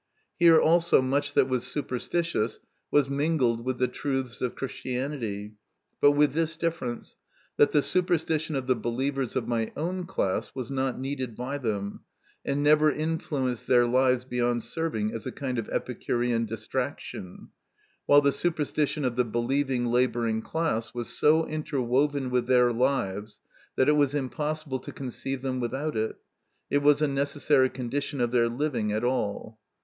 Here also 98 MY CONFESSION. much that was superstitious was mingled with the truths of Christianity, but with this difference, that the superstition of the believers of my own class was not needed by them, and never influenced their lives beyond serving as a kind of Epicurean distraction, while the superstition of the believing labouring class was so interwoven with their lives that it was impossible to conceive them without it it was a necessary condition of their living at all.